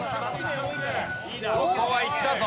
ここはいったぞ。